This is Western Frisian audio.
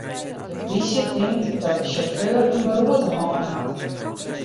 De plysje tinkt dat de sjauffeur in beroerte hân hat.